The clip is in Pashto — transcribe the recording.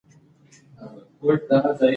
او په ځغاسته سو روان د غار و لورته